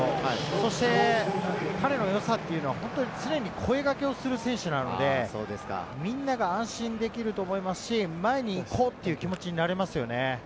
そして彼の良さというのは本当に常に声掛けをする選手なので、みんなが安心できると思いますし、前に行こうという気持ちになりますよね。